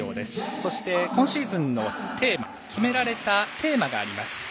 そして、今シーズンの決められたテーマがあります。